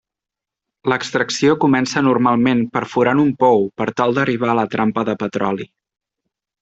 L'extracció comença normalment perforant un pou per tal d'arribar a la trampa de petroli.